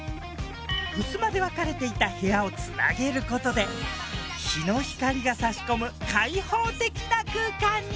ふすまで分かれていた部屋をつなげる事で日の光がさし込む開放的な空間に。